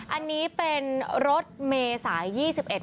อันนี้เป็นรถเมย์สายยี่สิบเอ็ด